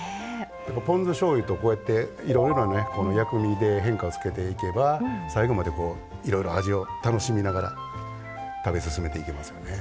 ポン酢しょうゆと、いろいろな薬味で変化をつけていけば最後までいろいろ味を楽しみながら食べ進めていけますよね。